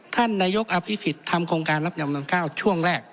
ท่านนายกอภิษฎทำโครงการรับจำนำข้าวช่วงแรก